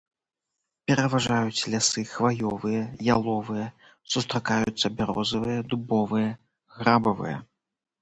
Пераважаюць лясы хваёвыя, яловыя, сустракаюцца бярозавыя, дубовыя, грабавыя.